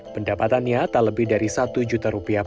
pendapatannya tak lebih dari satu juta rupiah per jam